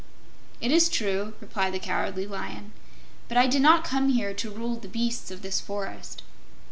"It is true," replied the Cowardly Lion; "but I did not come here to rule the beasts of this forest.